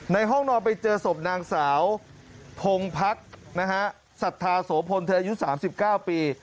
ในห้องนอนไปเจอศพนางสาวพงพักนะฮะสัทธาโสพลเธออายุสามสิบเก้าปี